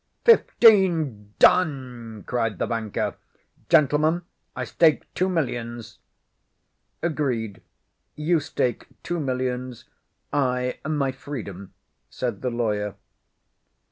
"Fifteen! Done!" cried the banker. "Gentlemen, I stake two millions." "Agreed. You stake two millions, I my freedom," said the lawyer.